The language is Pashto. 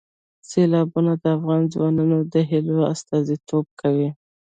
سیلابونه د افغان ځوانانو د هیلو استازیتوب کوي.